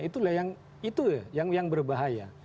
itulah yang berbahaya